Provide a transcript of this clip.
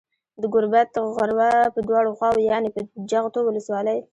د گوربت غروه په دواړو خواوو يانې په جغتو ولسوالۍ